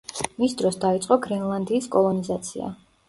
მის დროს დაიწყო გრენლანდიის კოლონიზაცია.